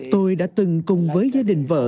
tôi đã từng cùng với gia đình vợ